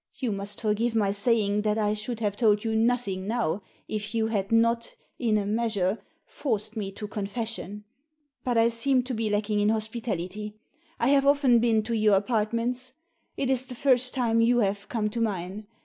You must forgive my saying that I should have told you nothing now, if you had not, in a measure, forced me to confession. But I seem to be lacking in hospitality. I have often been to your apartments. It is the first time you have come to mine.